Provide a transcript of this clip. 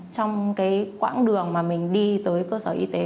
trong cái quãng đường mà mình đi tới cơ sở y tế